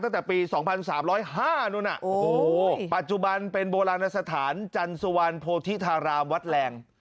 ตั้งแต่ปีสองพันสามร้อยห้านู่นน่ะโอ้โหปัจจุบันเป็นโบราณสถานจันทรวรรณโพธิธารามวัดแหลง